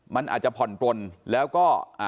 มันอาจจะผ่อนปลนแล้วก็